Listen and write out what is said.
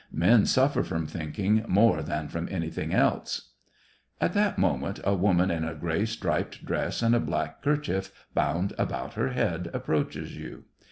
Men suffer from thinking more than from anything else." At that moment, a woman in a gray striped 14 SEVASTOPOL IN DECEMBER. dress and a black kerchief bound about her head approaches you.